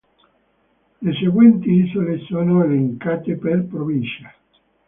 Le seguenti isole sono elencate per provincia.